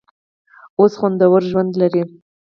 اوس خوندور ژوند لري.